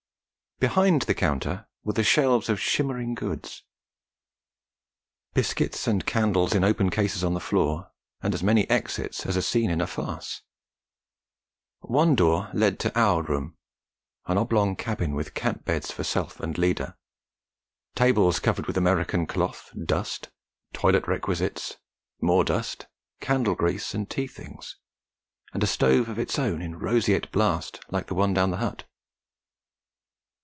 Behind the counter were the shelves of shimmering goods, biscuits and candles in open cases on the floor, and as many exits as a scene in a farce. One door led into our room: an oblong cabin with camp beds for self and leader, tables covered with American cloth, dust, toilet requisites, more dust, candle grease and tea things, and a stove of its own in roseate blast like the one down the hut.